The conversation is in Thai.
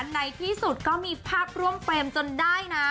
ในที่สุดก็มีภาพร่วมเฟรมจนได้นะ